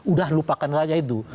udah lupakan saja itu